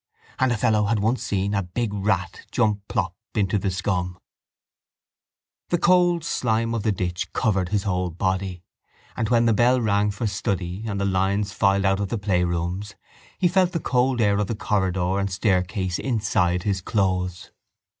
And a fellow had once seen a big rat jump plop into the scum. The cold slime of the ditch covered his whole body; and, when the bell rang for study and the lines filed out of the playrooms, he felt the cold air of the corridor and staircase inside his clothes.